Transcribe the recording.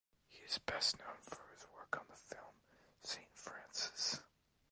He is best known for his work on the film "Saint Frances".